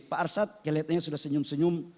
pak arsad kelihatannya sudah senyum senyum